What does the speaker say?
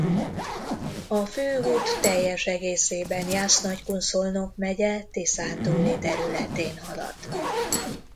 A főút teljes egészében Jász-Nagykun-Szolnok megye tiszántúli területén halad.